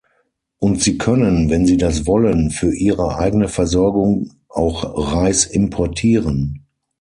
Und sie können, wenn sie das wollen, für ihre eigene Versorgung auch Reis importieren.